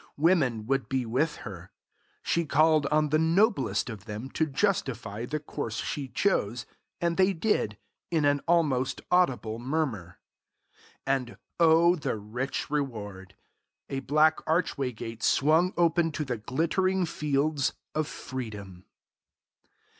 Women would be with her. She called on the noblest of them to justify the course she chose, and they did, in an almost audible murmur. And O the rich reward. A black archway gate swung open to the glittering fields of freedom.